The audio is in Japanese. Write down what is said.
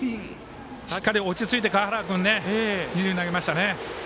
しっかり落ち着いて川原君は二塁に投げましたね。